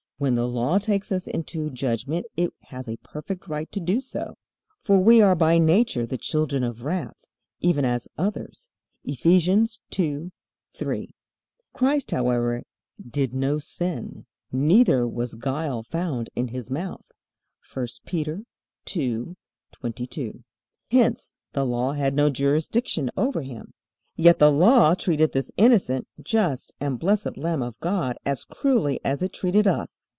When the Law takes us into judgment it has a perfect right to do so. "For we are by nature the children of wrath, even as others." (Eph. 2:3.) Christ, however, "did no sin, neither was guile found in his mouth." (I Pet. 2:22.) Hence the Law had no jurisdiction over Him. Yet the Law treated this innocent, just, and blessed Lamb of God as cruelly as it treated us.